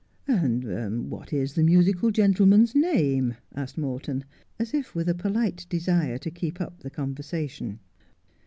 ' What is the musical gentleman's name ?' asked Morton, as if with a polite desire to keep up the conversation.